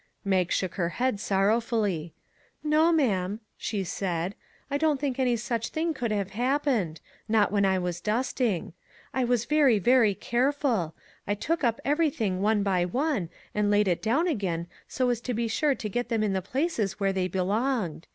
Mag shook her head sorrowfully. " No, ma'am," she said, " I don't think any such thing could have happened; not when I was dusting. I was very, very careful; I took up everything one by one, and laid it down again so as to be sure to get them in the places where they belonged.